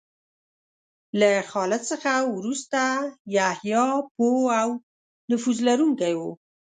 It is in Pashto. له خالد څخه وروسته یحیی پوه او نفوذ لرونکی و.